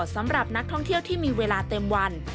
สำหรับนักท่องเที่ยวที่มีเวลาเต็มวัน